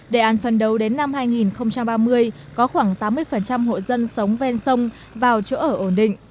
đề án phần đầu đến năm hai nghìn ba mươi có khoảng tám mươi hộ dân sống ven sông vào chỗ ở ổn định